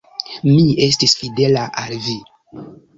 Mi estis fidela al vi!..